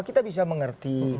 kita bisa mengerti